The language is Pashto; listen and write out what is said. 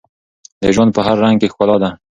د ژوند په هر رنګ کې ښکلا ده.